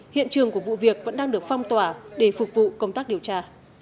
hiện trường của vụ việc vẫn đang được phong tỏa để phục vụ công tác điều tra